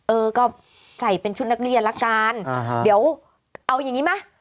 เออก็ใส่เป็นชุดนักเรียนละกันเดี๋ยวเอาอย่างนี้ไหม